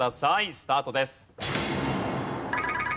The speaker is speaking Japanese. スタートです。